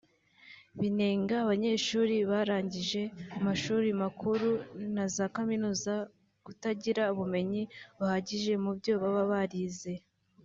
binenga abanyeshuri barangiza amashuri makuru na za kaminuza kutagira ubumenyi buhagije mu byo baba barize